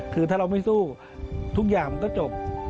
คือถ้าเราไม่สู้ทุกอย่างมันก็จบ